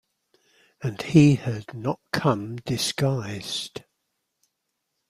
And he had not come disguised.